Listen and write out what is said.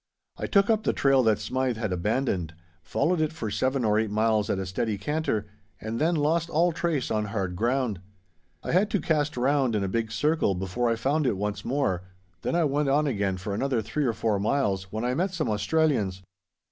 I took up the trail that Smythe had abandoned, followed it for seven or eight miles at a steady canter, and then lost all trace on hard ground. I had to cast round in a big circle before I found it once more, then I went on again for another three or four miles when I met some Australians.